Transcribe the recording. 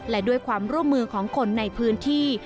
และด้วยความร่วมมือของคนในพื้นที่